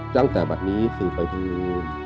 ตั้งแต่แบบนี้สื่อไปดู